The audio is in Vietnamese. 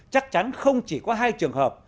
chắc chắn không chỉ có hai trường hợp